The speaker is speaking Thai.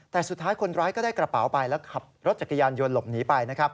แต่สุดท้ายคนร้ายก็ได้กระเป๋าไปแล้วขับรถจักรยานยนต์หลบหนีไปนะครับ